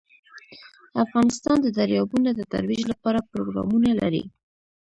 افغانستان د دریابونه د ترویج لپاره پروګرامونه لري.